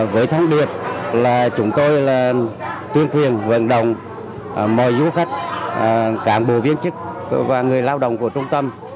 với thông điệp là chúng tôi là tuyên quyền vận động mời du khách cảng bộ viên chức và người lao động của trung tâm